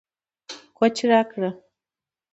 کوچ راکړه